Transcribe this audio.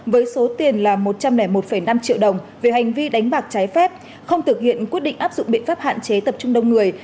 với số tiền là một trăm linh một năm triệu đồng về hành vi đánh bạc trái phép không thực hiện quyết định áp dụng biện pháp hạn chế tập trung đông người